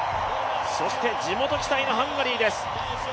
そして地元期待のハンガリーです。